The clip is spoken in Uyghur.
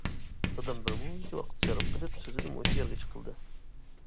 دادام بىرمۇنچە ۋاقىت سەرپ قىلىپ سۆزىنى مۇشۇ يەرگىچە قىلدى.